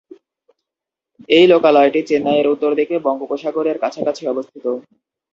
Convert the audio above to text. এই লোকালয়টি চেন্নাইয়ের উত্তর দিকে বঙ্গোপসাগরের কাছাকাছি অবস্থিত।